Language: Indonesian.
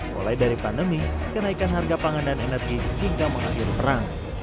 mulai dari pandemi kenaikan harga pangan dan energi hingga mengakhiri perang